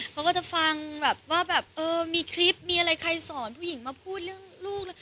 เขาก็จะฟังว่ามีคลิปมีอะไรใครสอนผู้หญิงมาพูดเรื่องลูก